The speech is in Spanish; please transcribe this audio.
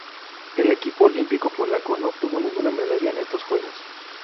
El equipo olímpico polaco no obtuvo ninguna medalla en estos Juegos.